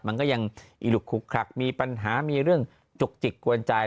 มันก็ยังอิลุกคลุกคลักมีปัญหามีเรื่องจุกจิกกวนใจ